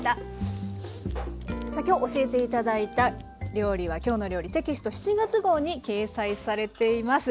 さあ今日教えて頂いた料理は「きょうの料理」テキスト７月号に掲載されています。